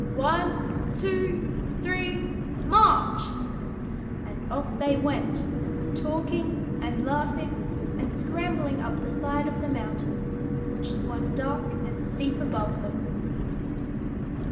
One, two, three, march!" And off they went, talking and laughing and scrambling up the side of the mountain, which swung dark and steep above them.